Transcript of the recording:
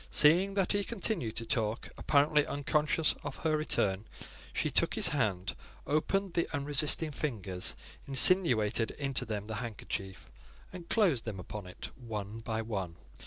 Seeing that he continued to talk, apparently unconscious of her return, she took his hand, opened the unresisting fingers, insinuated into them the handkerchief, and closed them upon it one by one.